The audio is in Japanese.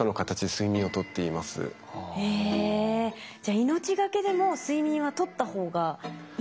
じゃあ命がけでも睡眠はとったほうがいいんですね。